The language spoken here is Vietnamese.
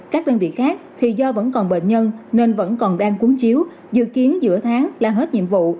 các đơn vị khác thì do vẫn còn bệnh nhân nên vẫn còn đang cúng chiếu dự kiến giữa tháng là hết nhiệm vụ